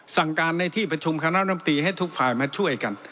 สั่งการในที่ประชุมคณะลำตีให้ทุกฝ่ายมาช่วยกัน